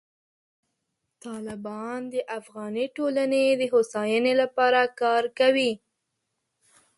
طالبان د افغاني ټولنې د هوساینې لپاره کار کوي.